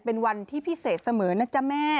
เป็นวันที่พิเศษเสมอนะจ๊ะแม่